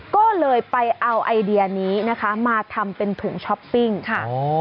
ก็เลยไปเอาไอเดียนี้นะคะมาทำเป็นถุงช้อปปิ้งค่ะ